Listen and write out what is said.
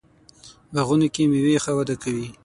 باغونو کې میوې ښه وده کوي.